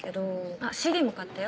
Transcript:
あっＣＤも買ったよ。